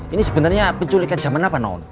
ini sebenernya penculikan jaman apa no